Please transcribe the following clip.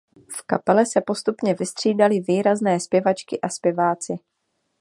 V kapele se postupně vystřídali výrazné zpěvačky a zpěváci.